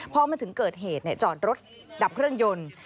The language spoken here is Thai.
พอมันถึงเกิดเหตุจอดรถดับเครื่องยนต์